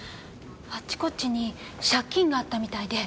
あっちこっちに借金があったみたいで。